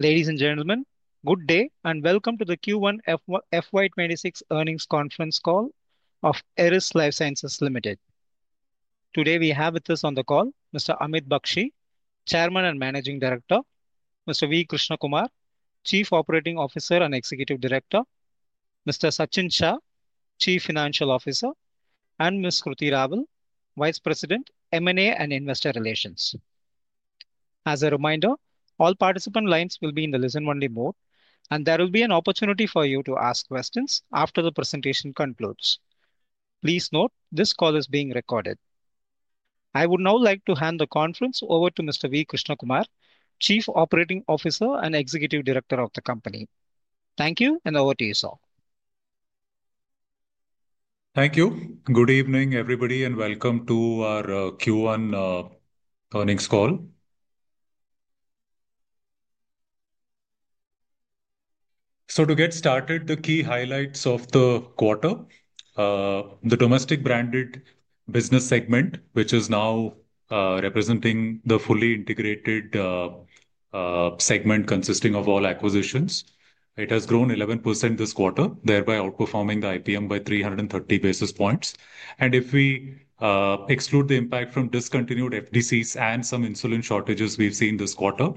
Ladies and gentlemen, good day and welcome to the Q1 FY 2026 earnings conference call of Eris Lifesciences Limited. Today we have with us on the call Mr. Amit Bakshi, Chairman and Managing Director; Mr. V. Krishnakumar, Chief Operating Officer and Executive Director; Mr. Sachin Shah, Chief Financial Officer; and Ms. Kruti Raval, Vice President, M&A and Investor Relations. As a reminder, all participant lines will be in the listen-only mode, and there will be an opportunity for you to ask questions after the presentation concludes. Please note this call is being recorded. I would now like to hand the conference over to Mr. V. Krishnakumar, Chief Operating Officer and Executive Director of the company. Thank you and over to you all. Thank you. Good evening, everybody, and welcome to our Q1 earnings call. To get started, the key highlights of the quarter: the domestic branded business segment, which is now representing the fully integrated segment consisting of all acquisitions, has grown 11% this quarter, thereby outperforming the IPM by 330 basis points. If we exclude the impact from discontinued FDCs and some insulin shortages we've seen this quarter,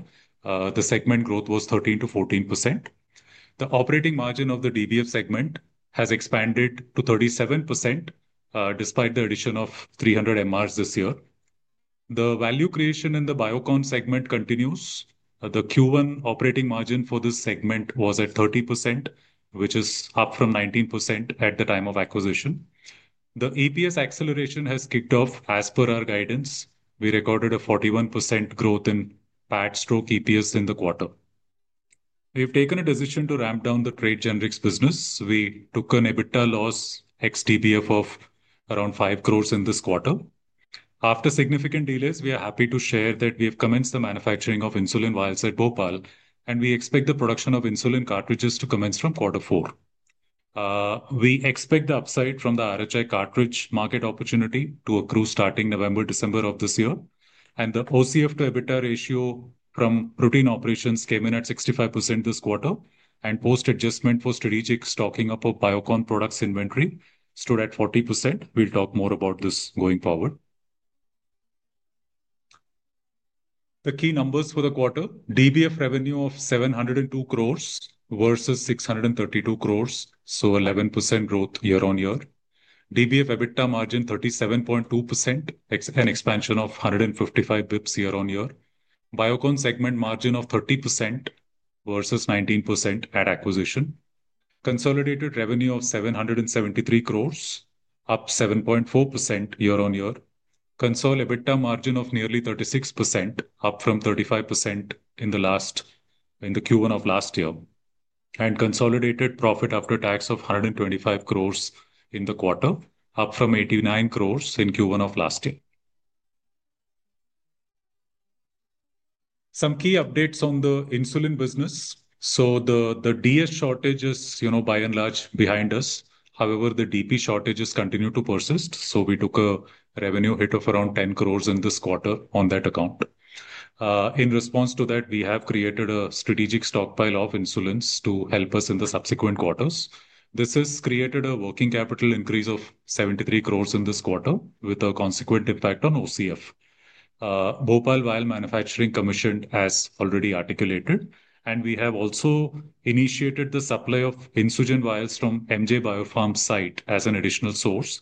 the segment growth was 13% to 14%. The operating margin of the DBF segment has expanded to 37% despite the addition of 300 MRs this year. The value creation in the Biocon segment continues. The Q1 operating margin for this segment was at 30%, which is up from 19% at the time of acquisition. The EPS acceleration has kicked off as per our guidance. We recorded a 41% growth in PAT/EPS in the quarter. We've taken a decision to ramp down the trade generics business. We took an EBITDA loss ex-DBF of around 5 crore in this quarter. After significant delays, we are happy to share that we have commenced the manufacturing of insulin vials at Bhopal, and we expect the production of insulin cartridges to commence from Q4. We expect the upside from the RHI cartridge market opportunity to accrue starting November-December of this year. The OCF to EBITDA ratio from routine pperations came in at 65% this quarter, and post-adjustment for strategic stocking up of Biocon products inventory stood at 40%. We'll talk more about this going forward. The key numbers for the quarter: DBF revenue of 702 crore versus 632 crore, so 11% growth year-on-year. DBF EBITDA margin 37.2% and expansion of 155 basis points year-on-year. Biocon segment margin of 30% versus 19% at acquisition. Consolidated revenue of 773 crore, up 7.4% year-on-year. Consolidated EBITDA margin of nearly 36%, up from 35% in Q1 of last year. Consolidated profit after tax of 125 crore in the quarter, up from 89 crore in Q1 of last year. Some key updates on the insulin business. The DS shortage is, you know, by and large behind us. However, the DP shortages continue to persist, so we took a revenue hit of around 10 crore in this quarter on that account. In response to that, we have created a strategic stockpile of insulins to help us in the subsequent quarters. This has created a working capital increase of 73 crore in this quarter with a consequent impact on OCF. Bhopal vial manufacturing commissioned as already articulated, and we have also initiated the supply of insulin vials from MJ Biopharm site as an additional source.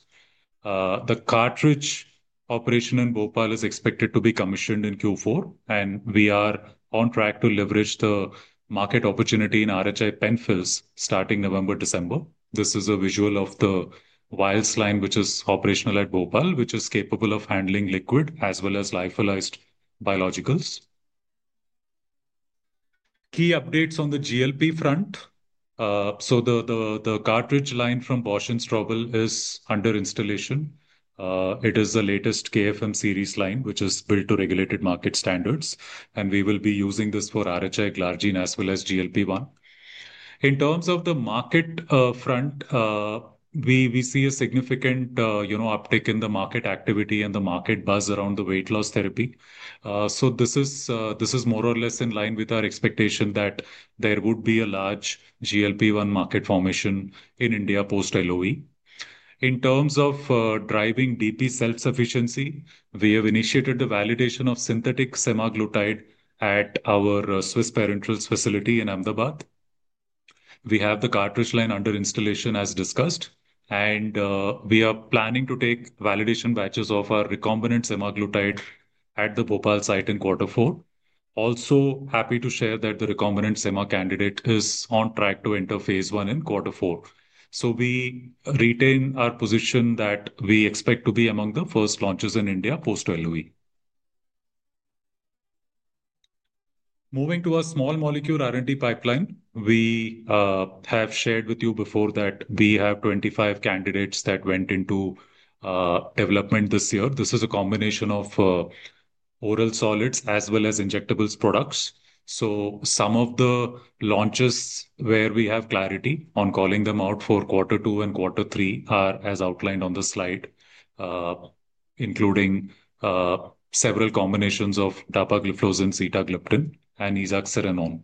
The cartridge operation in Bhopal is expected to be commissioned in Q4, and we are on track to leverage the market opportunity in RHI PenFills starting November-December. This is a visual of the vials line which is operational at Bhopal, which is capable of handling liquid as well as lyophilized biologicals. Key updates on the GLP-1 front. The cartridge line from Bausch + Ströbel is under installation. It is the latest KFM series line which is built to regulated market standards, and we will be using this for RHI, Glargine as well as GLP-1. In terms of the market front, we see a significant uptick in the market activity and the market buzz around the weight loss therapy. This is more or less in line with our expectation that there would be a large GLP-1 market formation in India post-LoE. In terms of driving DP self-sufficiency, we have initiated the validation of synthetic semaglutide at our Swiss Parenterals facility in Ahmedabad. We have the cartridge line under installation as discussed, and we are planning to take validation batches of our recombinant semaglutide at the Bhopal site in Q4. Also, happy to share that the recombinant semaglutide candidate is on track to enter phase one in Q4. We retain our position that we expect to be among the first launches in India post-LoE. Moving to our small molecule R&D pipeline, we have shared with you before that we have 25 candidates that went into development this year. This is a combination of oral solids as well as injectables products. Some of the launches where we have clarity on calling them out for Q2 and Q3 are as outlined on the slide, including several combinations of Dapagliflozin, Sitagliptin, and Esaxerenone.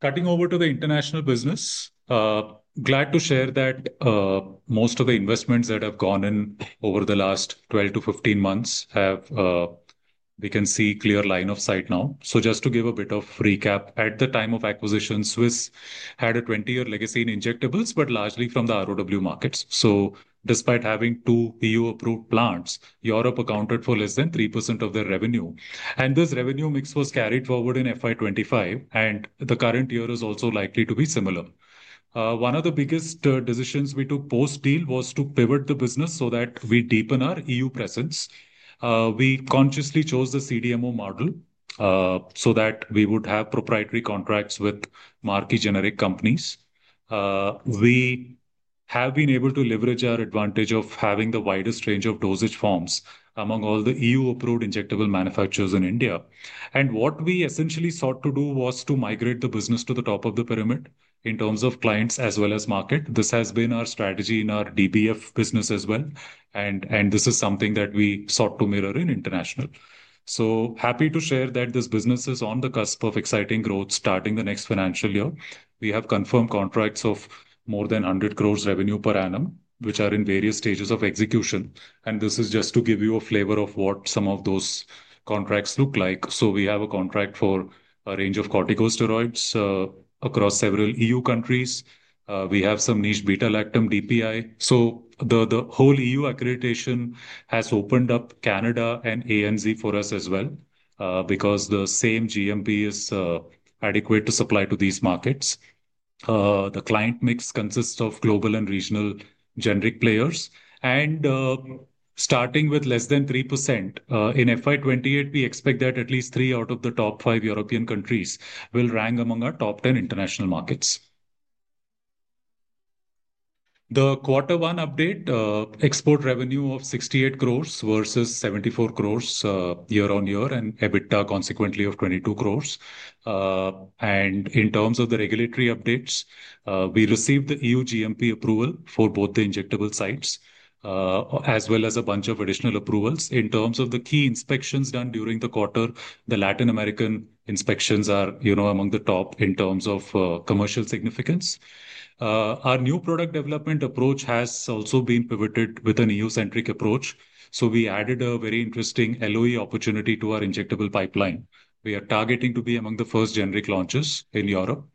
Cutting over to the international business, glad to share that most of the investments that have gone in over the last 12-15 months have, we can see a clear line of sight now. Just to give a bit of recap, at the time of acquisition, Swiss had a 20-year legacy in injectables, but largely from the ROW markets. Despite having two EU-approved plants, Europe accounted for less than 3% of their revenue, and this revenue mix was carried forward in FY 2025, and the current year is also likely to be similar. One of the biggest decisions we took post-deal was to pivot the business so that we deepen our EU presence. We consciously chose the CDMO model so that we would have proprietary contracts with marquee generic companies. We have been able to leverage our advantage of having the widest range of dosage forms among all the EU-approved injectable manufacturers in India. What we essentially sought to do was to migrate the business to the top of the pyramid in terms of clients as well as market. This has been our strategy in our DBF business as well, and this is something that we sought to mirror in international. Happy to share that this business is on the cusp of exciting growth starting the next financial year. We have confirmed contracts of more than 100 crore revenue per annum, which are in various stages of execution, and this is just to give you a flavor of what some of those contracts look like. We have a contract for a range of corticosteroids across several EU countries. We have some niche beta-lactam DPI. The whole EU accreditation has opened up Canada and ANZ for us as well, because the same GMP is adequate to supply to these markets. The client mix consists of global and regional generic players. Starting with less than 3% in FY 2028, we expect that at least three out of the top five European countries will rank among our top 10 international markets. The Q1 update: export revenue of 68 crore versus 74 crore year-on-year and EBITDA consequently of 22 crore. In terms of the regulatory updates, we received the EU GMP approval for both the injectable sites as well as a bunch of additional approvals. In terms of the key inspections done during the quarter, the Latin American inspections are among the top in terms of commercial significance. Our new product development approach has also been pivoted with an EU-centric approach, so we added a very interesting LoE opportunity to our injectable pipeline. We are targeting to be among the first generic launches in Europe.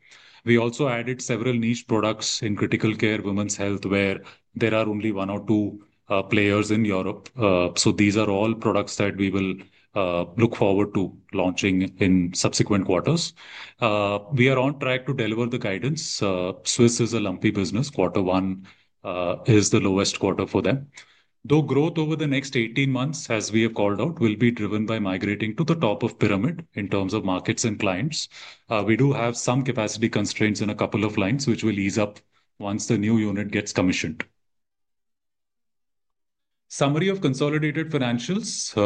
We also added several niche products in critical care, women's health, where there are only one or two players in Europe. These are all products that we will look forward to launching in subsequent quarters. We are on track to deliver the guidance. Swiss is a lumpy business. Q1 is the lowest quarter for them. Though growth over the next 18 months, as we have called out, will be driven by migrating to the top of the pyramid in terms of markets and clients, we do have some capacity constraints in a couple of lines, which will ease up once the new unit gets commissioned. Summary of consolidated financials: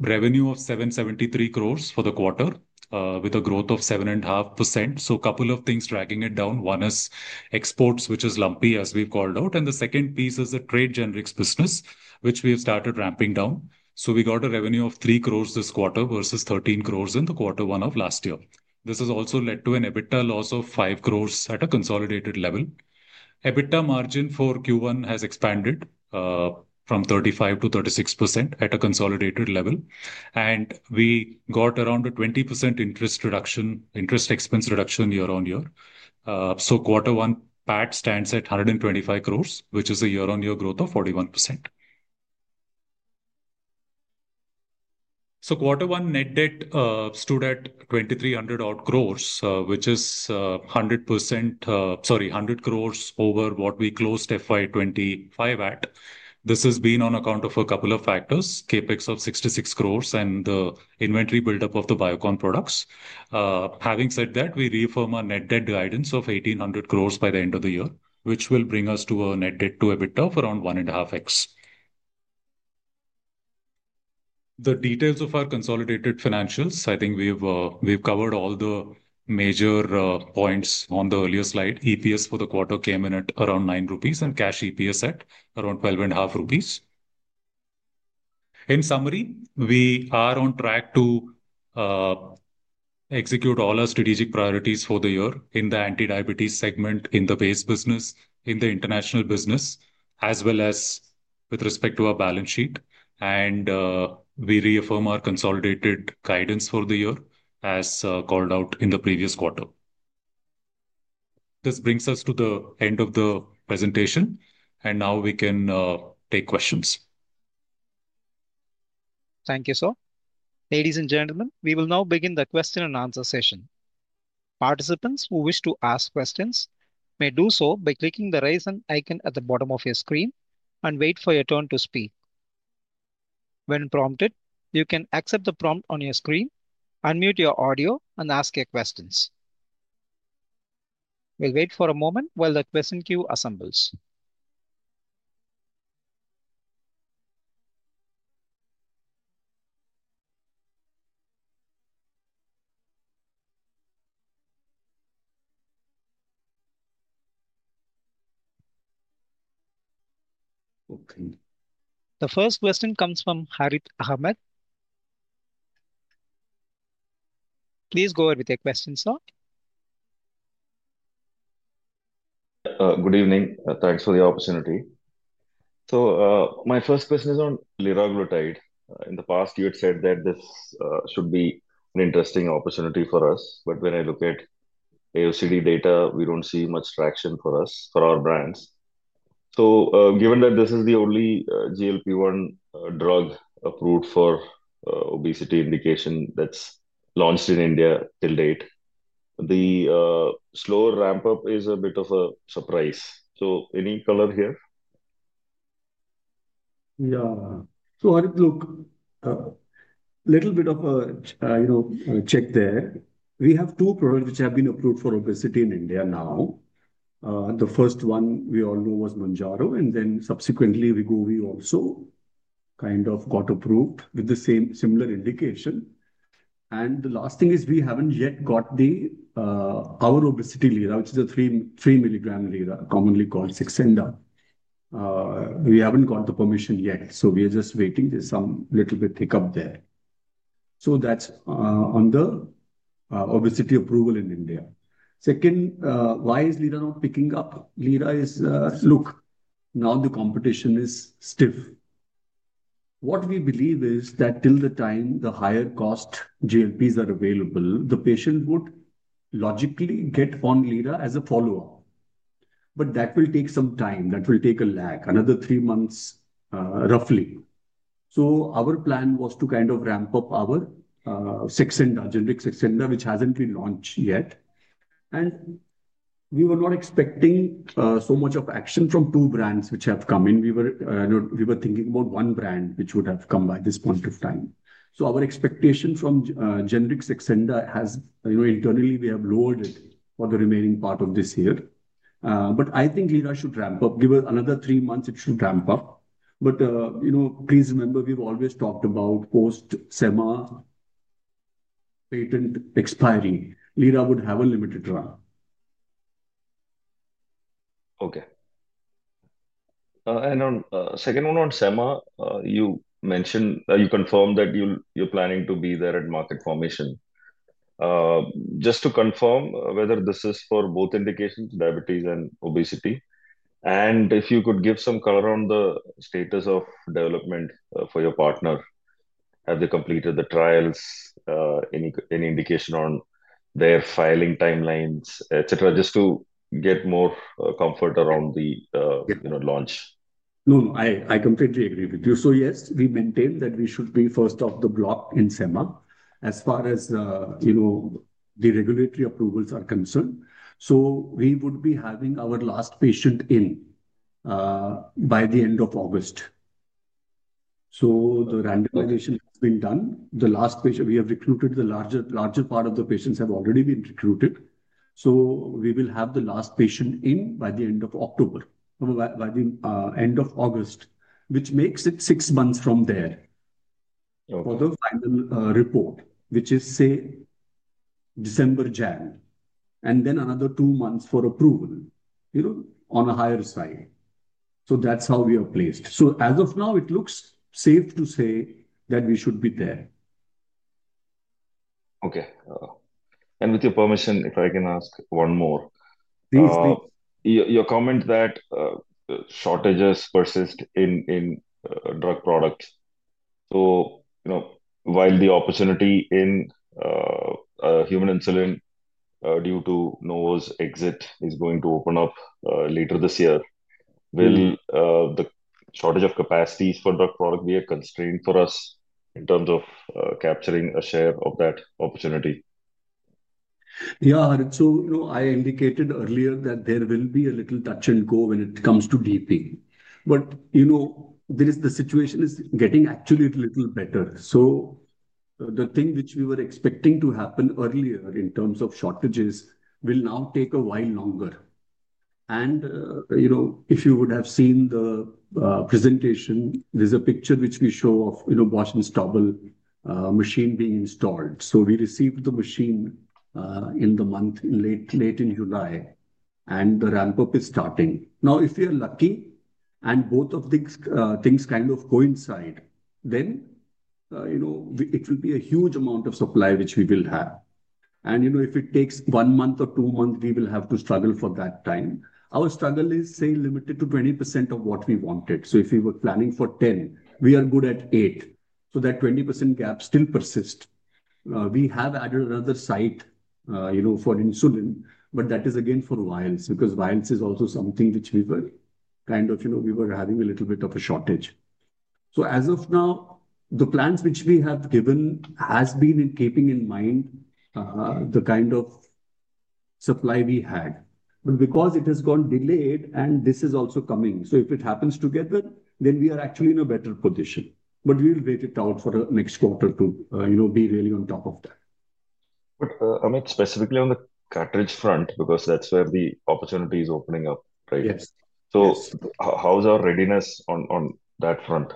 revenue of 773 crore for the quarter with a growth of 7.5%. A couple of things dragging it down: one is exports, which is lumpy as we've called out, and the second piece is the trade generics business, which we have started ramping down. We got a revenue of 3 crore this quarter versus 13 crore in Q1 of last year. This has also led to an EBITDA loss of 5 crore at a consolidated level. EBITDA margin for Q1 has expanded from 35% to 36% at a consolidated level, and we got around a 20% interest expense reduction year-on-year. Q1 profit after tax stands at 125 crore, which is a year-on-year growth of 41%. Q1 net debt stood at 2,300 crore, which is 100 crore over what we closed FY 2025 at. This has been on account of a couple of factors: capex of 66 crore and the inventory buildup of the Biocon products. Having said that, we reaffirm our net debt guidance of 1,800 crore by the end of the year, which will bring us to a net debt to EBITDA of around 1.5x. The details of our consolidated financials: I think we've covered all the major points on the earlier slide. EPS for the quarter came in at around 9 rupees, and cash EPS at around 12.5 rupees. In summary, we are on track to execute all our strategic priorities for the year in the anti-diabetes segment, in the vase business, in the international business, as well as with respect to our balance sheet. We reaffirm our consolidated guidance for the year as called out in the previous quarter. This brings us to the end of the presentation, and now we can take questions. Thank you, sir. Ladies and gentlemen, we will now begin the question and answer session. Participants who wish to ask questions may do so by clicking the raise hand icon at the bottom of your screen and wait for your turn to speak. When prompted, you can accept the prompt on your screen, unmute your audio, and ask your questions. We'll wait for a moment while the question queue assembles. Okay, the first question comes from Harith Ahmed. Please go ahead with your question, sir. Good evening. Thanks for the opportunity. My first question is on Liraglutide. In the past, you had said that this should be an interesting opportunity for us, but when I look at AIOCD data, we don't see much traction for us, for our brands. Given that this is the only GLP-1 drug approved for obesity indication that's launched in India till date, the slower ramp-up is a bit of a surprise. Any color here? Yeah. Harith, so, look, a little bit of a check there. We have two products which have been approved for obesity in India now. The first one we all know was Mounjaro, and then subsequently Wegovy also kind of got approved with the same similar indication. The last thing is we haven't yet got our obesity Lira, which is a 3 mg Lira, commonly called Saxenda. We haven't got the permission yet, so we are just waiting. There's some little bit of pickup there. That's on the obesity approval in India. Second, why is Lira not picking up? Lira is, look, now the competition is stiff. What we believe is that till the time the higher cost GLPs are available, the patient would logically get on Lira as a follow-up. That will take some time. That will take a lag, another three months, roughly. Our plan was to kind of ramp up our Saxenda, generic Saxenda, which hasn't been launched yet. We were not expecting so much of action from two brands which have come in. We were thinking about one brand which would have come by this point of time. Our expectation from generic Saxenda has, you know, internally we have lowered it for the remaining part of this year. I think Lira should ramp up. Give her another three months, it should ramp up. Please remember we've always talked about post-Sema patent expiry. Lira would have a limited run. Okay. On the second one on Sema, you mentioned that you confirmed that you're planning to be there at market formation. Just to confirm whether this is for both indications, diabetes and obesity, and if you could give some color on the status of development for your partner. Have they completed the trials? Any indication on their filing timelines, etc.? Just to get more comfort around the launch. No, I completely agree with you. Yes, we maintain that we should be first off the block in Sema as far as, you know, the regulatory approvals are concerned. We would be having our last patient in by the end of August. The randomization has been done. The last patient we have recruited, the larger part of the patients have already been recruited. We will have the last patient in by the end of August, which makes it six months from there for the final report, which is, say, December-Jan, and then another two months for approval, you know, on a higher side. That's how we are placed. As of now, it looks safe to say that we should be there. Okay. With your permission, if I can ask one more. Please do. Your comment that shortages persist in drug products. While the opportunity in human insulin due to Novo Nordisk's exit is going to open up later this year, will the shortage of capacities for drug products be a constraint for us in terms of capturing a share of that opportunity? Yeah, Harith, I indicated earlier that there will be a little touch and go when it comes to DP. The situation is actually getting a little better. The thing which we were expecting to happen earlier in terms of shortages will now take a while longer. If you would have seen the presentation, there's a picture which we show of Bausch and Ströbel machine being installed. We received the machine late in July, and the ramp-up is starting. If we are lucky and both of these things kind of coincide, then it will be a huge amount of supply which we will have. If it takes one month or two months, we will have to struggle for that time. Our struggle is, say, limited to 20% of what we wanted. If we were planning for 10, we are good at eight. That 20% gap still persists. We have added another site for insulin, but that is again for vials because vials is also something which we were having a little bit of a shortage. As of now, the plans which we have given have been in keeping in mind the kind of supply we had. Because it has gone delayed and this is also coming, if it happens together, then we are actually in a better position. We'll wait it out for the next quarter to be really on top of that. Amit, specifically on the cartridge front, because that's where the opportunity is opening up, right? Yes. How is our readiness on that front?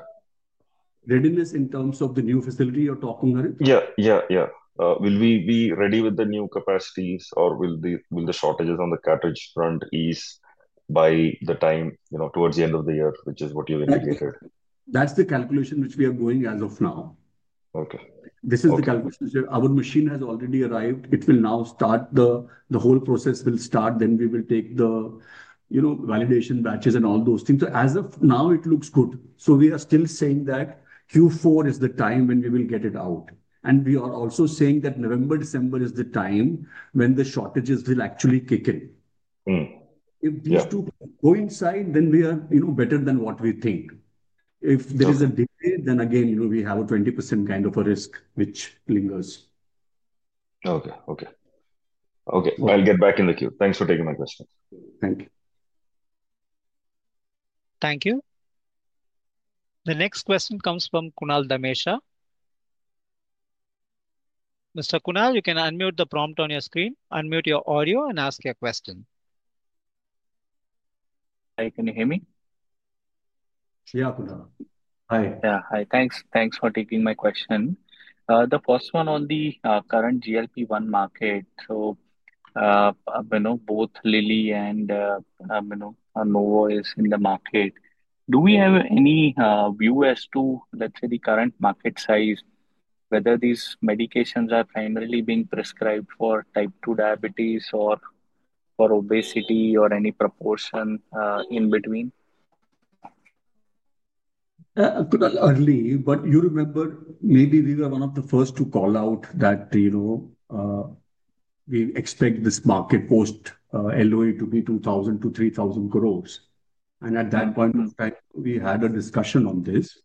Readiness in terms of the new facility you're talking, Harith? Will we be ready with the new capacities, or will the shortages on the cartridge front ease by the time, you know, towards the end of the year, which is what you indicated? That's the calculation which we are going with as of now. Okay. This is the calculation. Our machine has already arrived. It will now start. The whole process will start. We will take the, you know, validation batches and all those things. As of now, it looks good. We are still saying that Q4 is the time when we will get it out. We are also saying that November-December is the time when the shortages will actually kick in. If these two coincide, then we are, you know, better than what we think. If there is a decay, then again, you know, we have a 20% kind of a risk which lingers. Okay, I'll get back in the queue. Thanks for taking my question. Thank you. Thank you. The next question comes from Kunal Damesha. Mr. Kunal, you can unmute the prompt on your screen, unmute your audio, and ask your question. Hi, can you hear me? Yeah, Kunal. Hi. Yeah, hi. Thanks. Thanks for taking my question. The first one on the current GLP-1 market. You know, both Lilly and Novo are in the market. Do we have any view as to, let's say, the current market size, whether these medications are primarily being prescribed for type 2 diabetes or for obesity or any proportion in between? A little early, but you remember, maybe we were one of the first to call out that, you know, we expect this market post-LoE to be 2,000 crores-3,000 crores. At that point in time, we had a discussion on this.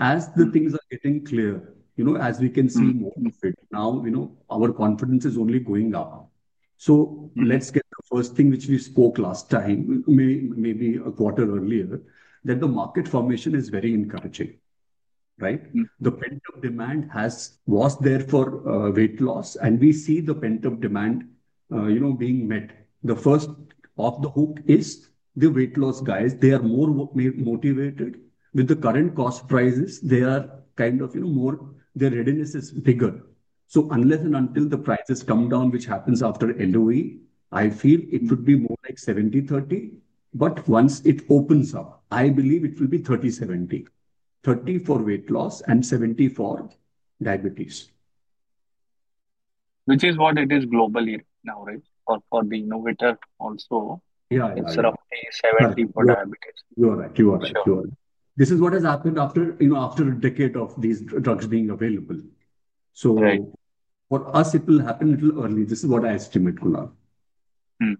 As things are getting clear, you know, as we can see more of it now, our confidence is only going up. Let's get the first thing which we spoke last time, maybe a quarter earlier, that the market formation is very encouraging, right? The pent-up demand was there for weight loss, and we see the pent-up demand being met. The first off the hook is the weight loss guys. They are more motivated. With the current cost prices, they are kind of, you know, more, their readiness is bigger. Unless and until the prices come down, which happens after LoE, I feel it would be more like 70%-30%. Once it opens up, I believe it will be 30%-70%, 30% for weight loss and 70% for diabetes. Which is what it is globally now, right? For the innovator also, it's 70% for diabetes. You are right. This is what has happened after a decade of these drugs being available. For us, it will happen a little early. This is what I estimate, Kunal. Sure.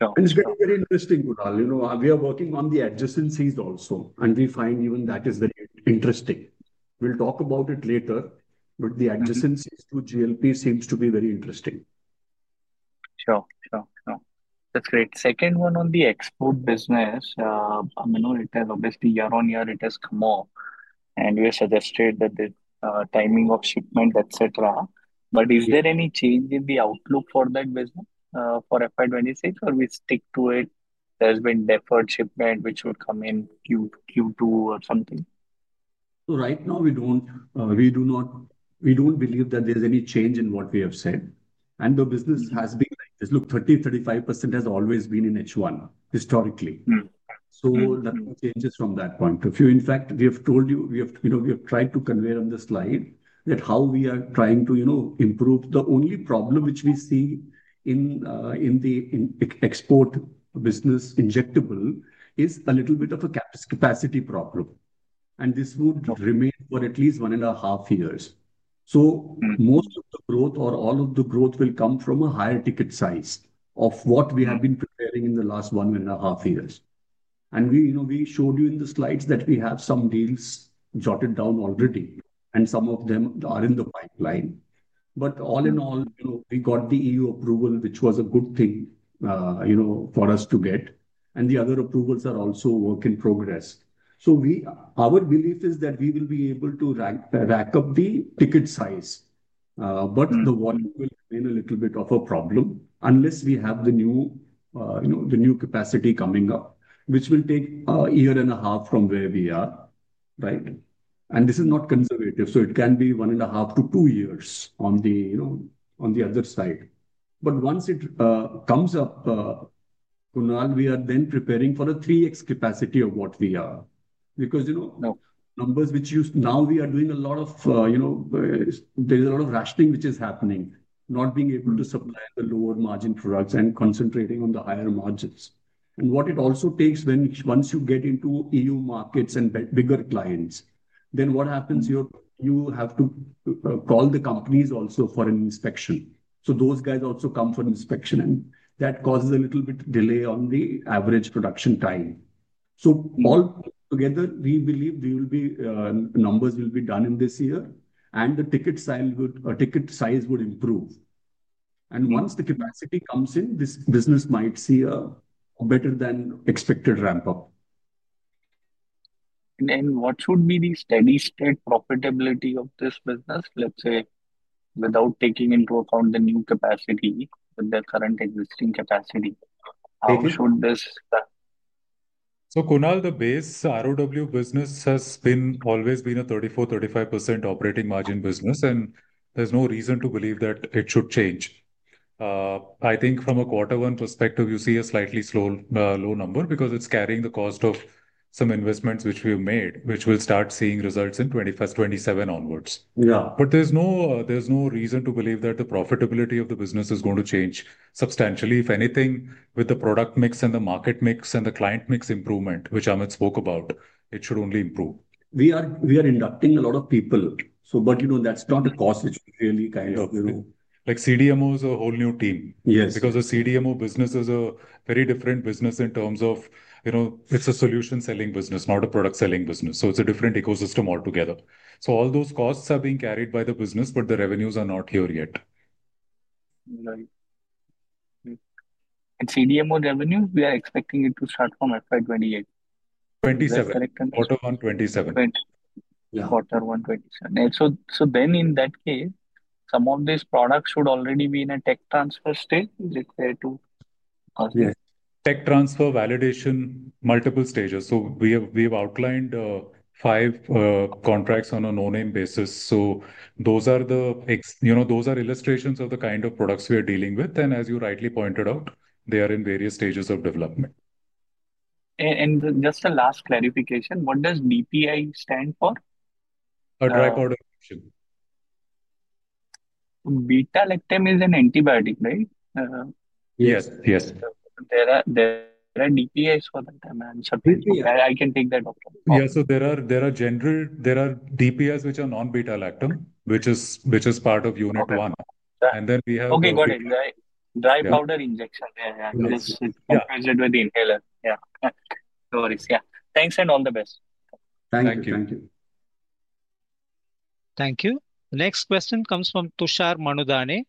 It is very, very interesting, Kunal. You know, we are working on the adjacencies also, and we find even that is very interesting. We will talk about it later, but the adjacencies to GLP-1 seem to be very interesting. Sure, that's great. Second one on the export business. I mean, obviously, year on year, it has come up, and you suggested that the timing of shipment, etc. Is there any change in the outlook for that business for FY 2026, or we stick to it? There's been deferred shipment which will come in Q2 or something. Right now, we do not believe that there's any change in what we have said. The business has been like this. Look, 30%-35% has always been in H1 historically. Nothing changes from that point of view. In fact, we have told you, we have tried to convey on the slide how we are trying to improve. The only problem which we see in the export business injectable is a little bit of a capacity problem. This would remain for at least one and a half years. Most of the growth or all of the growth will come from a higher ticket size of what we have been preparing in the last one and a half years. We showed you in the slides that we have some deals jotted down already, and some of them are in the pipeline. All in all, we got the EU approval, which was a good thing for us to get. The other approvals are also a work in progress. Our belief is that we will be able to rack up the ticket size, but the volume will remain a little bit of a problem unless we have the new capacity coming up, which will take a year and a half from where we are, right? This is not conservative. It can be one and a half to two years on the other side. Once it comes up, Kunal, we are then preparing for a 3x apacity of what we are. Numbers which you now, we are doing a lot of, there's a lot of rationing which is happening, not being able to supply the lower margin products and concentrating on the higher margins. What it also takes, once you get into EU markets and bigger clients, then what happens? You have to call the companies also for an inspection. Those guys also come for an inspection, and that causes a little bit of delay on the average production time. Altogether, we believe we will be, numbers will be done in this year, and the ticket size would improve. Once the capacity comes in, this business might see a better than expected ramp-up. What would be the steady-state profitability of this business, let's say, without taking into account the new capacity with the current existing capacity? How should this? Kunal, the base ROW business has always been a 34%-35% operating margin business, and there's no reason to believe that it should change. I think from a quarter-one perspective, you see a slightly low number because it's carrying the cost of some investments which we've made, which will start seeing results in 2021, 2027 onwards. There's no reason to believe that the profitability of the business is going to change substantially. If anything, with the product mix and the market mix and the client mix improvement, which Amit spoke about, it should only improve. We are inducting a lot of people, but that's not a cost which really kind of, you know,. CDMO is a whole new team. Yes, because the CDMO business is a very different business in terms of, you know, it's a solution selling business, not a product selling business. It's a different ecosystem altogether. All those costs are being carried by the business, but the revenues are not here yet. CDMO revenue, we are expecting it to start from FY 2028. FY 2027, Q1 of FY 2027. Quarter one, 2027. In that case, some of these products should already be in a tech transfer stage? Yes, tech transfer, validation, multiple stages. We have outlined five contracts on a no-name basis. Those are illustrations of the kind of products we are dealing with. As you rightly pointed out, they are in various stages of development. Just a last clarification, what does DPI stand for? Dry powder injection/ Beta-lactam is an antibiotic, right? Yes, yes. There are DPIs for that. I can take that. Yeah, so there are general, there are DPIs which are non-beta-lactam, which is part of unit one. Then we have. Okay, got it. Dry powder injection. Yeah, yeah, yeah, as with the inhaler. Yeah, no worries. Yeah, thanks and all the best. Thank you. Thank you. Thank you. Next question comes from Tushar Manudane.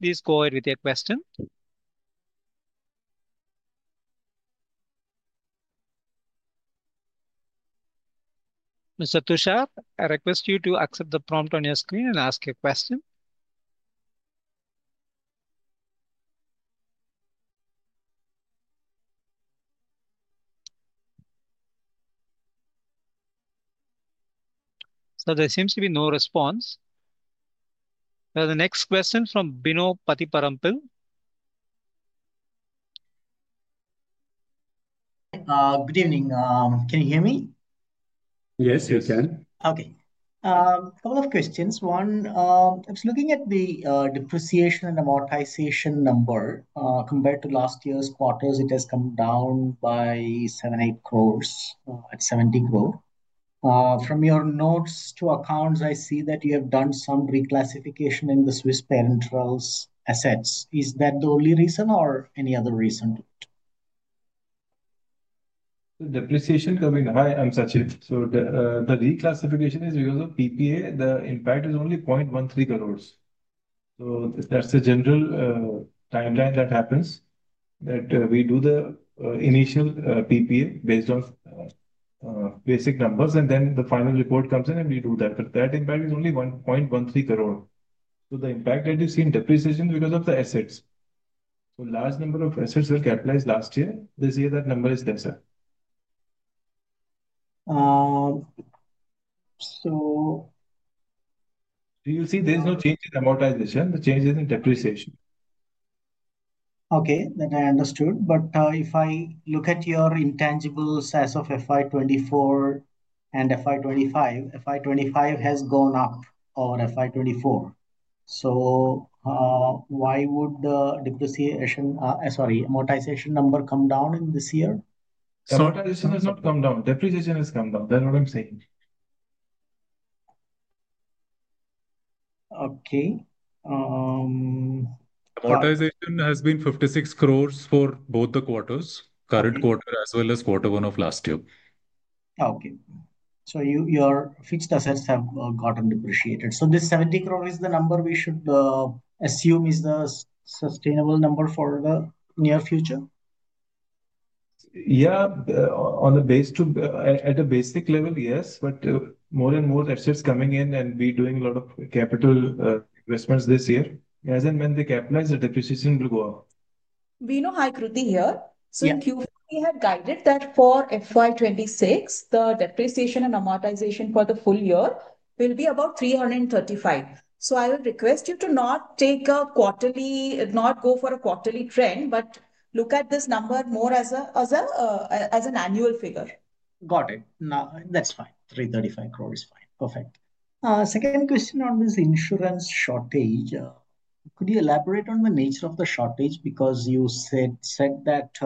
Please go ahead with your question. Mr. Tushar, I request you to accept the prompt on your screen and ask your question. There seems to be no response. The next question is from Bino Patiparampil. Good evening. Can you hear me? Yes, you can. Okay. A couple of questions. One, I was looking at the depreciation and amortization number. Compared to last year's quarters, it has come down by 7-8 crore at 70 crore. From your notes to accounts, I see that you have done some reclassification in the Swiss Parenterals assets. Is that the only reason or any other reason? The depreciation coming down, I'm Sachin. The reclassification is because of PPA. The impact is only 1.13 crore. That's the general timeline that happens, that we do the initial PPA based on basic numbers, and then the final report comes in and we do that. That impact is only 1.13 crore. The impact that you see in depreciation is because of the assets. A large number of assets were capitalized last year. This year, that number is lesser. You see, there's no change in amortization. The change is in depreciation. Okay, I understood. If I look at your intangibles as of FY 2024 and FY 2025, FY 2025 has gone up over FY24. Why would the depreciation, sorry, amortization number come down in this year? Reason has not come down. Depreciation has come down. That's what I'm saying. Okay. Amortization has been 56 crore for both the quarters, current quarter as well as quarter one of last year. Okay. Your fixed assets have gotten depreciated. This 70 crore is the number we should assume is the sustainable number for the near future? Yeah, on the base, at a basic limit, yes. More and more assets coming in and we're doing a lot of capital investments this year. As and when they capitalize, the depreciation will go up. We know Kruti Raval here. Q3 we have guided that for FY 2026, the depreciation and amortization for the full year will be about 335 million. I would request you to not take a quarterly, not go for a quarterly trend, but look at this number more as an annual figure. Got it. That's fine. 335 crore is fine. Perfect. Second question on this insulin shortage. Could you elaborate on the nature of the shortage? You said that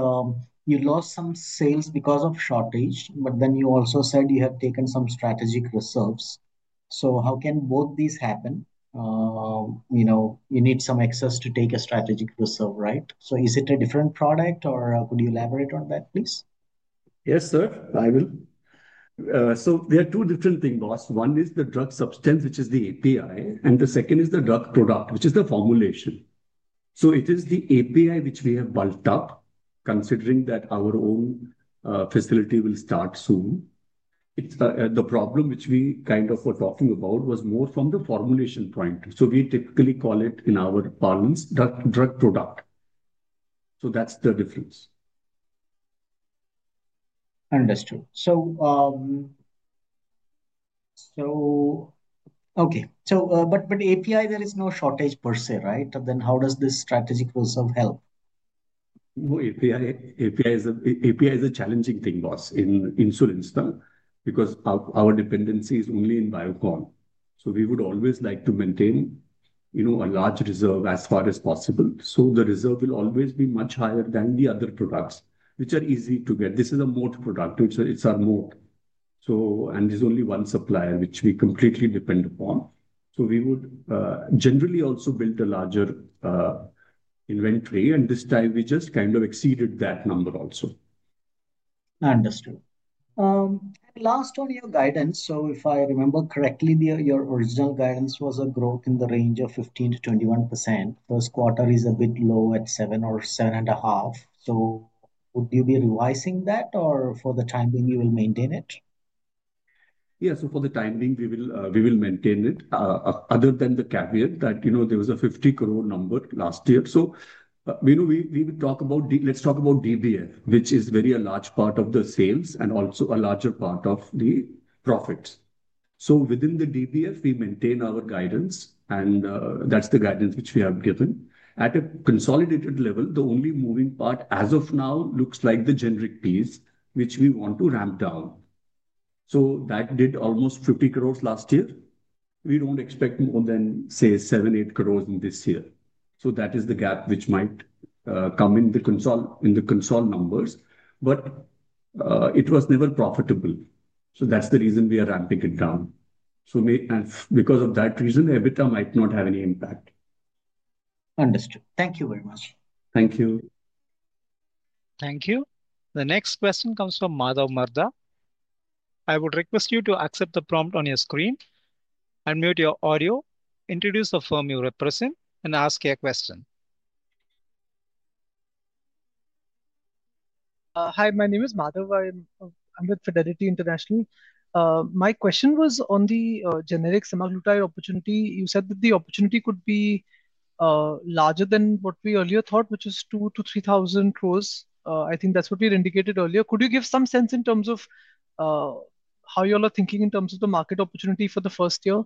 you lost some sales because of shortage, but then you also said you have taken some strategic reserves. How can both these happen? You need some excess to take a strategic reserve, right? Is it a different product or could you elaborate on that, please? Yes, sir. I will. There are two different things, boss. One is the drug substance, which is the API, and the second is the drug product, which is the formulation. It is the API which we have built up, considering that our own facility will start soon. The problem which we kind of were talking about was more from the formulation point. We typically call it in our departments, drug product. That's the difference. Understood. Okay, so API, there is no shortage per se, right? How does this strategic reserve help? API is a challenging thing in insulins, because our dependency is only in Biocon. We would always like to maintain, you know, a large reserve as far as possible. The reserve will always be much higher than the other products, which are easy to get. This is a moat product, which is our moat. There is only one supplier which we completely depend upon. We would generally also build a larger inventory, and this time we just kind of exceeded that number also. Understood. Last on your guidance. If I remember correctly, your original guidance was a growth in the range of 15%-21%. First quarter is a bit low at 7% or 7.5%. Would you be revising that or for the time being, you will maintain it? Yeah, so for the time being, we will maintain it. Other than the caveat that, you know, there was an 50 crore number last year. You know, we would talk about, let's talk about DBF, which is a very large part of the sales and also a larger part of the profits. Within the DBF, we maintain our guidance, and that's the guidance which we have given. At a consolidated level, the only moving part as of now looks like the generic piece, which we want to ramp down. That did almost 50 crore last year. We don't expect more than, say, 7 crore or 8 crore this year. That is the gap which might come in the consolidated numbers, but it was never profitable. That's the reason we are ramping it down. Because of that reason, EBITDA might not have any impact. Understood. Thank you very much. Thank you. Thank you. The next question comes from Madhav Mardha. I would request you to accept the prompt on your screen, unmute your audio, introduce the firm you represent, and ask your question. Hi, my name is Madhav. I'm with Fidelity International. My question was on the generic semaglutide opportunity. You said that the opportunity could be larger than what we earlier thought, which was 2,000-3,000 crores. I think that's what we had indicated earlier. Could you give some sense in terms of how you all are thinking in terms of the market opportunity for the first year?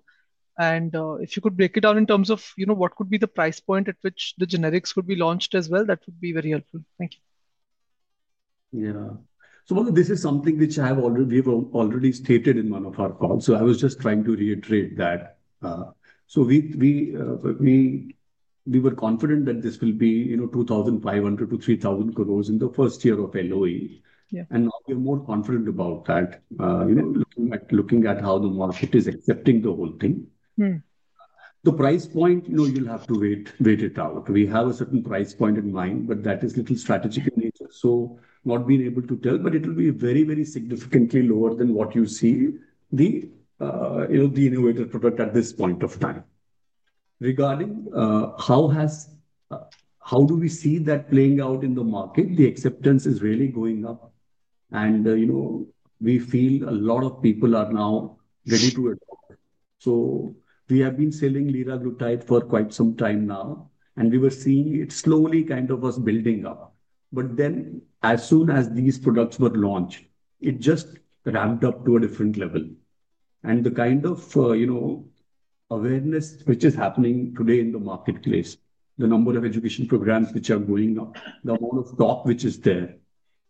If you could break it down in terms of, you know, what could be the price point at which the generics could be launched as well, that would be very helpful. Thank you. Yeah, this is something which I have already, we have already stated in one of our calls. I was just trying to reiterate that. We were confident that this will be 2,500-3,000 crore in the first year of LoE, and now we are more confident about that, looking at how the market is accepting the whole thing. The price point, you'll have to wait it out. We have a certain price point in mind, but that is a little strategic in nature, not being able to tell, but it will be very, very significantly lower than what you see the innovative product at this point of time. Regarding how we see that playing out in the market, the acceptance is really going up. We feel a lot of people are now ready to adopt. We have been selling liraglutide for quite some time now, and we were seeing it slowly kind of was building up. As soon as these products were launched, it just ramped up to a different level. The kind of awareness which is happening today in the marketplace, the number of education programs which are going up, the amount of talk which is there,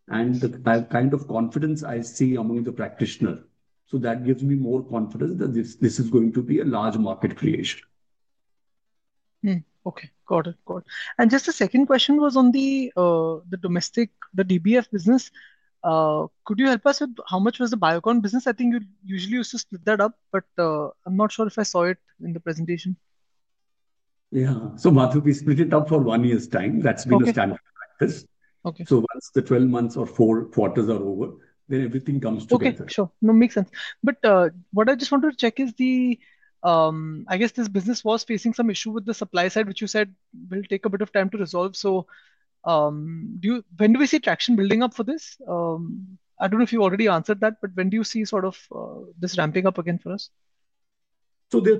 and the kind of confidence I see among the practitioners, that gives me more confidence that this is going to be a large market creation. Okay, got it. The second question was on the domestic, the DBF business. Could you help us with how much was the Biocon business? I think you usually used to split that up, but I'm not sure if I saw it in the presentation. Yeah, Madhav, we split it up for one year's time. That's been the standard practice. The 12 months or four quarters are over, then everything comes together. Okay, sure. Makes sense. What I just wanted to check is, I guess this business was facing some issue with the supply side, which you said will take a bit of time to resolve. When do we see traction building up for this? I don't know if you already answered that, but when do you see sort of this ramping up again for us? There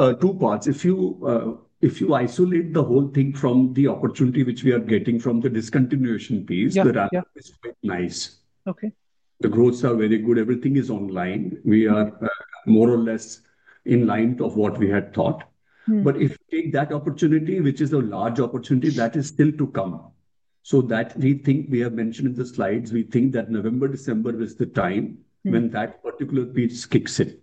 are two parts. If you isolate the whole thing from the opportunity which we are getting from the discontinuation piece, the ramp-up is quite nice. The growths are very good. Everything is online. We are more or less in line with what we had thought. If you take that opportunity, which is a large opportunity, that is still to come up. We think we have mentioned in the slides, we think that November-December is the time when that particular piece kicks in.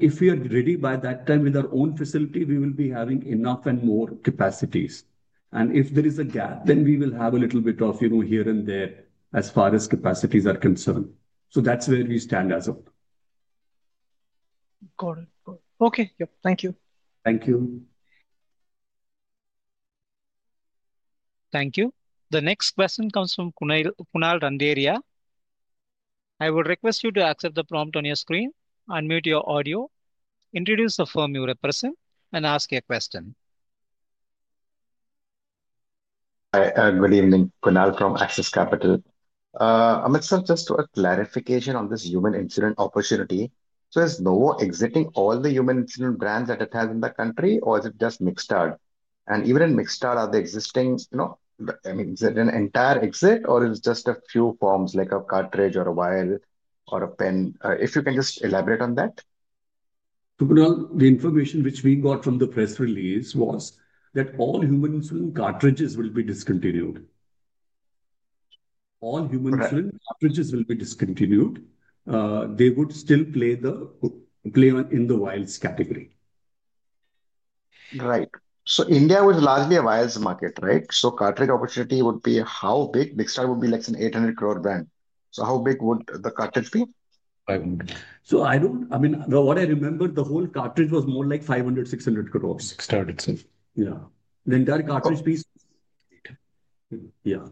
If we are ready by that time with our own facility, we will be having enough and more capacities. If there is a gap, then we will have a little bit of, you know, here and there as far as capacities are concerned. That's where we stand as of. Got it. Okay, yep. Thank you. Thank you. Thank you. The next question comes from Kunal Randeria. I would request you to accept the prompt on your screen, unmute your audio, introduce the firm you represent, and ask your question. Hi, good evening. Kunal from Axis Capital. Amit sir, just a clarification on this human insulin opportunity. Is Novo exiting all the human insulin brands that it has in the country, or is it just Mixtard? In Mixtard, are the existing, you know, is it an entire exit, or is it just a few forms like a cartridge or a vial or a pen? If you can just elaborate on that. Kunal, the information which we got from the press release was that all human insulin cartridges will be discontinued. All human insulin cartridges will be discontinued. They would still play on in the vials category. Right. India was largely a vials market, right? Cartridge opportunity would be how big? Mixed out would be like an 800 crore brand. How big would the cartridge be? I mean, what I remember, the whole cartridge was more like 500 crore, 600 crore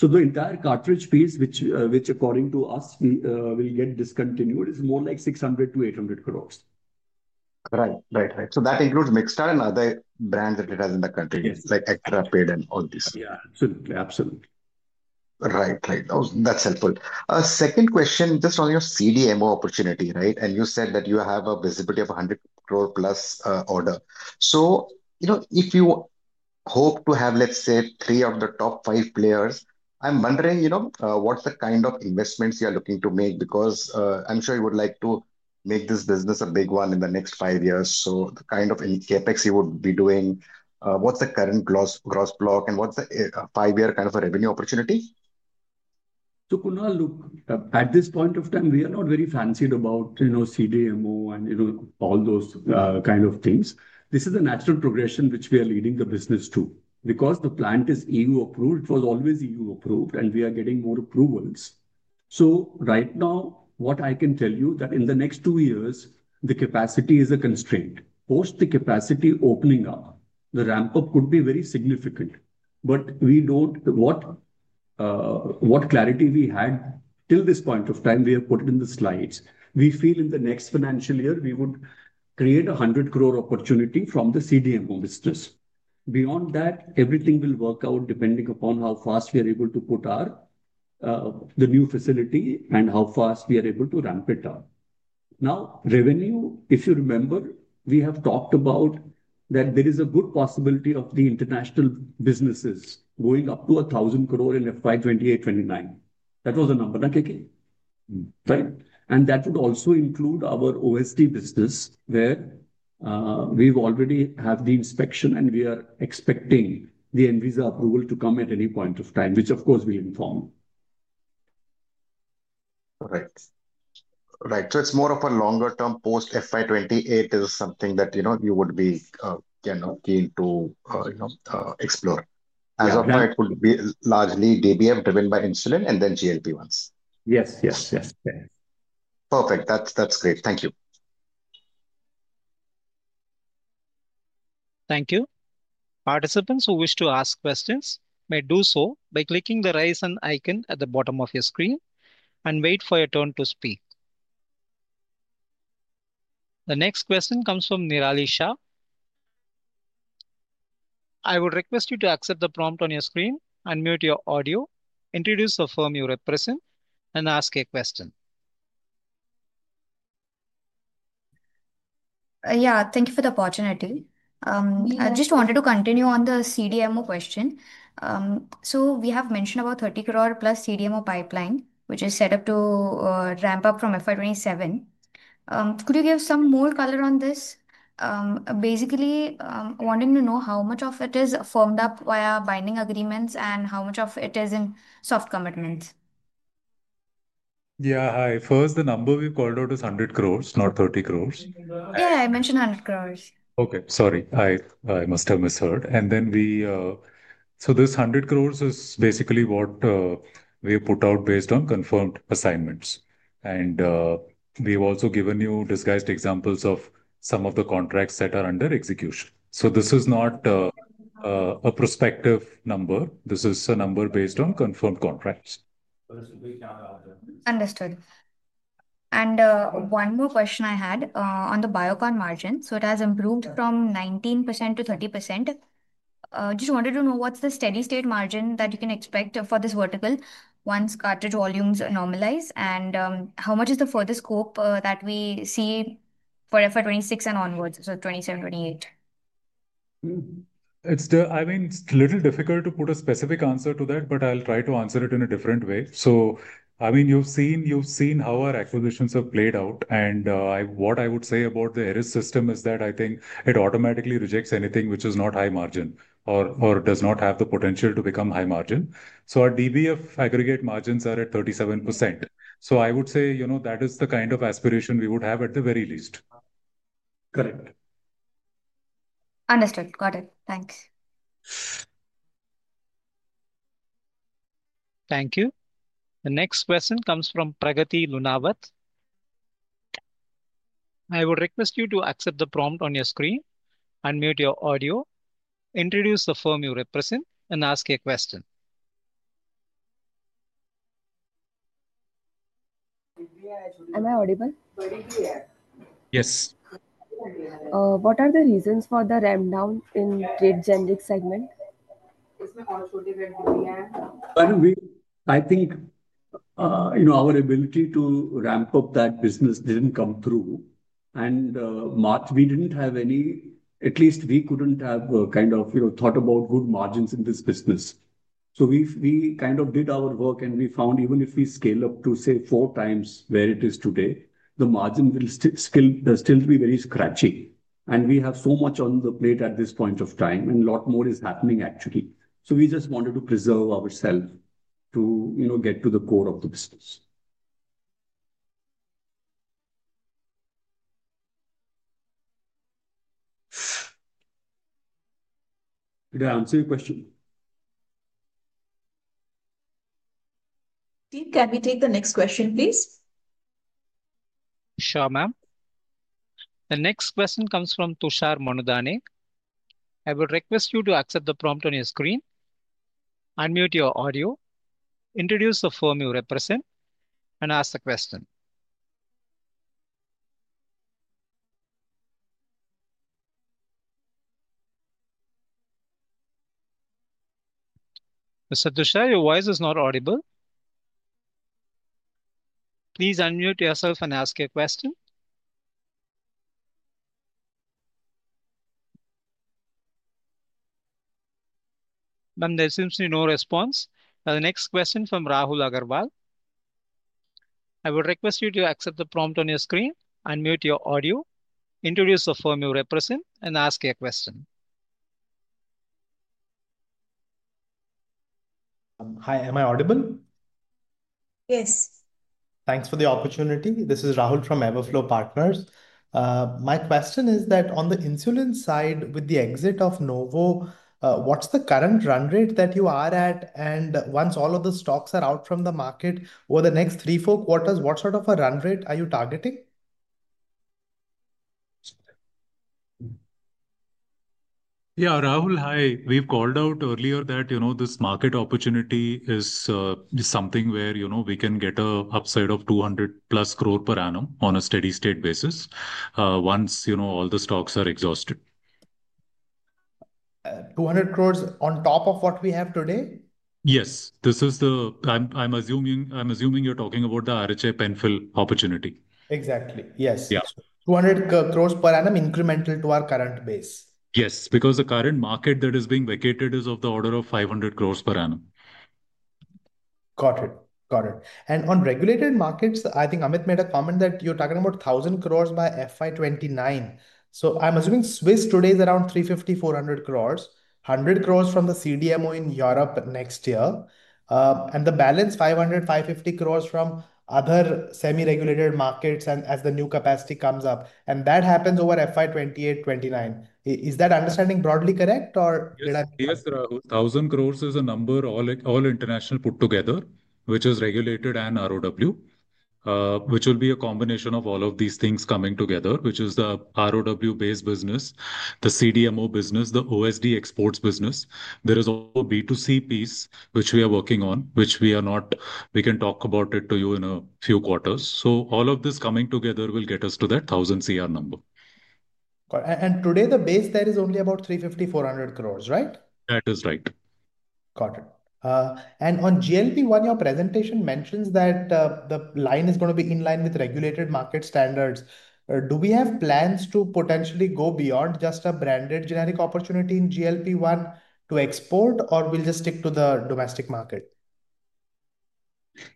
the entire cartridge piece, which according to us will get discontinued, is more like 600-800 crore. Right, right, right. That includes Mixard and other brands that it has in the country, like Tech Therapeutic and all these. Yeah, absolutely, absolutely. Right, right. That's helpful. Second question, just on your CDMO opportunity, right? You said that you have a visibility of 100 crore plus order. If you hope to have, let's say, three of the top five players, I'm wondering what's the kind of investments you are looking to make? I'm sure you would like to make this business a big one in the next five years. The kind of capex you would be doing, what's the current gross block and what's the five-year kind of a revenue opportunity? Kunal, at this point of time, we are not very fancied about CDMO and all those kind of things. This is a natural progression which we are leading the business to. Because the plant is EU approved, it was always EU approved, and we are getting more approvals. Right now, what I can tell you is that in the next two years, the capacity is a constraint. Post the capacity opening up, the ramp-up could be very significant. What clarity we had till this point of time, we have put it in the slides. We feel in the next financial year, we would create an 100 crore opportunity from the CDMO business. Beyond that, everything will work out depending upon how fast we are able to put our new facility and how fast we are able to ramp it up. Now, revenue, if you remember, we have talked about that there is a good possibility of the international businesses going up to 1,000 crore in FY 2028-FY 2029. That was a number that would kick in. That would also include our OSD business where we've already had the inspection and we are expecting the ANVISA approval to come at any point of time, which of course we inform. Right. It's more of a longer term, post FY 2028, is something that you would be keen to explore. As of now, it would be largely DBF driven by insulin and then GLP-1s. Yes, yes, yes. Perfect. That's great. Thank you. Thank you. Participants who wish to ask questions may do so by clicking the raise hand icon at the bottom of your screen and wait for your turn to speak. The next question comes from Nirali Shah. I would request you to accept the prompt on your screen, unmute your audio, introduce the firm you represent, and ask your question. Thank you for the opportunity. I just wanted to continue on the CDMO question. We have mentioned about 30 crore plus CDMO pipeline, which is set up to ramp up from FY 2027. Could you give some more color on this? Basically, I'm wanting to know how much of it is firmed up via binding agreements and how much of it is in soft commitments. Yeah, first, the number we've called out is 100 crore, not 30 crore. Yeah, I mentioned 100 crore. Okay, sorry, I must have misheard. This 100 crore is basically what we have put out based on confirmed assignments. We've also given you disguised examples of some of the contracts that are under execution. This is not a prospective number. This is a number based on confirmed contracts. Understood. One more question I had on the Biocon margin. It has improved from 19%-30%. I just wanted to know what's the steady-state margin that you can expect for this vertical once cartridge volumes normalize, and how much is the further scope that we see for FY 2026 and onwards, so 2027-2028? It's a little difficult to put a specific answer to that, but I'll try to answer it in a different way. You've seen how our acquisitions have played out. What I would say about the Eris system is that I think it automatically rejects anything which is not high margin or does not have the potential to become high margin. Our DBF aggregate margins are at 37%. I would say that is the kind of aspiration we would have at the very least. Understood. Got it. Thanks. Thank you. The next question comes from Pragati Lunawat. I would request you to accept the prompt on your screen, unmute your audio, introduce the firm you represent, and ask a question. Am I audible? Yes. What are the reasons for the ramp down in the generic segment? I think our ability to ramp up that business didn't come through. We didn't have any, at least we couldn't have kind of thought about good margins in this business. We did our work and we found even if we scale up to, say, four times where it is today, the margin will still be very scratchy. We have so much on the plate at this point of time and a lot more is happening, actually. We just wanted to preserve ourselves to get to the core of the business. Did I answer your question? Team, can we take the next question, please? Sure, ma'am. The next question comes from Tushar Manudane. I would request you to accept the prompt on your screen, unmute your audio, introduce the firm you represent, and ask a question. Mr. Tushar, your voice is not audible. Please unmute yourself and ask a question. There seems to be no response. The next question is from Rahul Agarwal. I would request you to accept the prompt on your screen, unmute your audio, introduce the firm you represent, and ask a question. Hi, am I audible? Yes. Thanks for the opportunity. This is Rahul from EverFlow Partners. My question is that on the insulin side with the exit of Novo, what's the current run rate that you are at? Once all of the stocks are out from the market over the next three, four quarters, what sort of a run rate are you targeting? Yeah, Rahul, hi. We've called out earlier that this market opportunity is something where we can get an upside of 200 crore plus per annum on a steady-state basis once all the stocks are exhausted. 200 croreS on top of what we have today? Yes, this is the, I'm assuming you're talking about the RHI PenFill opportunity. Exactly, yes. Yes. 200 crore per annum incremental to our current base. Yes, because the current market that is being vacated is of the order of 500 crore per annum. Got it. On regulated markets, I think Amit made a comment that you're talking about 1,000 crore by FY 2029. I'm assuming Swiss today is around 350-400 crore, 100 crore from the CDMO in Europe next year, and the balance 500 crores-550 crores from other semi-regulated markets as the new capacity comes up. That happens over FY 2028-FY2 029. Is that understanding broadly correct or did I? Yes, Rahul, 1,000 crore is a number all international put together, which is regulated and ROW, which will be a combination of all of these things coming together, which is the ROW-based business, the CDMO business, the OSD exports business. There is also a B2C piece, which we are working on, which we are not, we can talk about it to you in a few quarters. All of this coming together will get us to that 1,000 crore number. Today the base there is only about 350 crore, 400 crore, right? That is right. Got it. On GLP-1, your presentation mentions that the line is going to be in line with regulated market standards. Do we have plans to potentially go beyond just a branded generic opportunity in GLP-1 to export, or we'll just stick to the domestic market?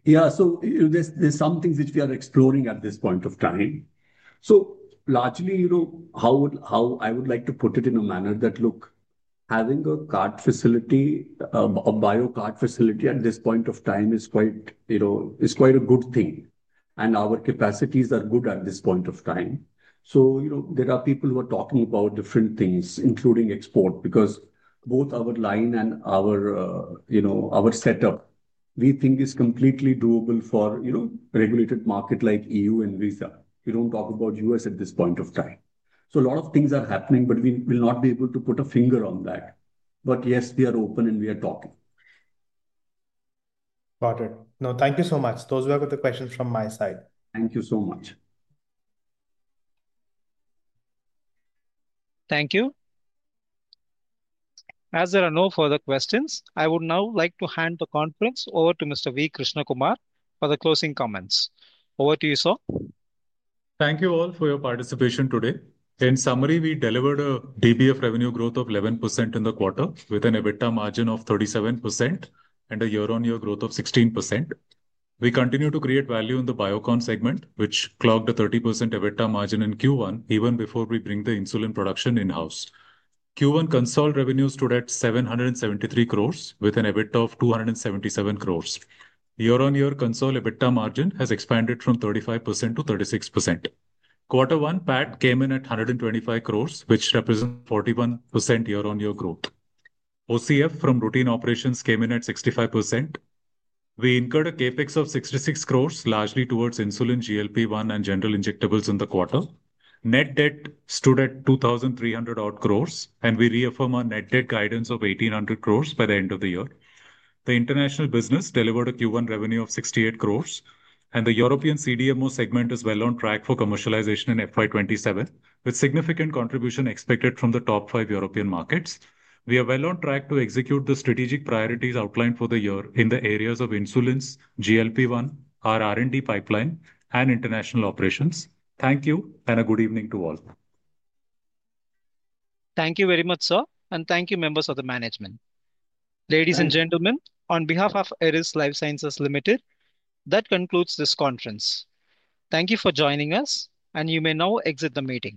Yeah, there are some things which we are exploring at this point of time. Largely, you know, how I would like to put it in a manner that, look, having a card facility, a BioCard facility at this point of time is quite, you know, is quite a good thing. Our capacities are good at this point of time. There are people who are talking about different things, including export, because both our line and our setup, we think, is completely doable for regulated markets like the EU and ANVISA. We don't talk about the U.S. at this point of time. A lot of things are happening, we will not be able to put a finger on that. Yes, we are open and we are talking. Got it. No, thank you so much. Those were the questions from my side. Thank you so much. Thank you. As there are no further questions, I would now like to hand the conference over to Mr. V. Krishnakumar for the closing comments. Over to you, sir. Thank you all for your participation today. In summary, we delivered a DBF revenue growth of 11% in the quarter with an EBITDA margin of 37% and a year-on-year growth of 16%. We continue to create value in the Biocon segment, which clocked a 30% EBITDA margin in Q1, even before we bring the insulin production in-house. Q1 consolidated revenues stood at 773 crore with an EBITDA of 277 crore. Year-on-year consolidated EBITDA margin has expanded from 35%-36%. Q1 profit after tax came in at 125 crore, which represents 41% year-on-year growth. OCF from routine operations came in at 65%. We incurred a capex of 66 crore, largely towards insulin, GLP-1, and general injectables in the quarter. Net debt stood at 2,300 crore, and we reaffirmed our net debt guidance of 1,800 crore by the end of the year. The international business delivered a Q1 revenue of 68 crore, and the European CDMO segment is well on track for commercialization in FY 2027, with significant contribution expected from the top five European markets. We are well on track to execute the strategic priorities outlined for the year in the areas of insulins, GLP-1, our R&D pipeline, and international operations. Thank you and a good evening to all. Thank you very much, sir, and thank you, members of the management. Ladies and gentlemen, on behalf of Eris Lifesciences Limited, that concludes this conference. Thank you for joining us, and you may now exit the meeting.